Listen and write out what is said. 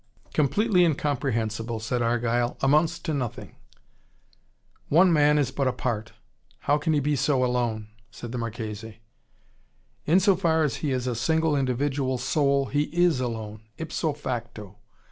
"Completely incomprehensible," said Argyle. "Amounts to nothing." "One man is but a part. How can he be so alone?" said the Marchese. "In so far as he is a single individual soul, he IS alone ipso facto.